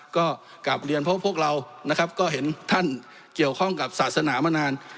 ก็กลับเรียนเพราะพวกเรานะครับก็เห็นท่านเกี่ยวข้องกับศาสนามานาน